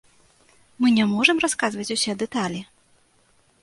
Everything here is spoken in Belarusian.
Мы не можам расказваць усе дэталі!